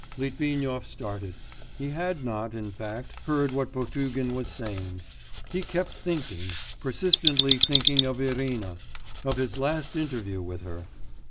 Litvinov started. He had not, in fact, heard what Potugin was saying; he kept thinking, persistently thinking of Irina, of his last interview with her....